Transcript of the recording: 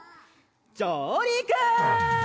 じょうりく！